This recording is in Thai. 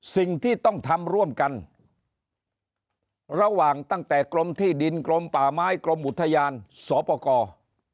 สิ่งที่ต้องทำร่วมกันระหว่างตั้งแต่กรมที่ดินกรมป่าไม้กรมอุทยานสปกร